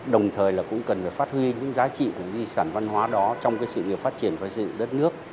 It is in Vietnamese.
đồng thời cũng cần phát huy những giá trị của di sản văn hóa đó trong sự nghiệp phát triển với sự đất nước